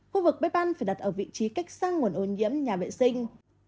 khu vực bếp ăn phải đặt ở vị trí cách sang nguồn ô nhiễm nhà vệ sinh